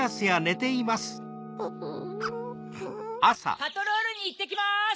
・パトロールにいってきます！